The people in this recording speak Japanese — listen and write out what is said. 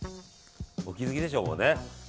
お気づきでしょう、もう。